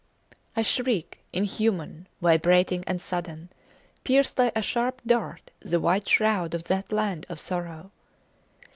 A shriek inhuman, vibrating and sudden, pierced like a sharp dart the white shroud of that land of sorrow.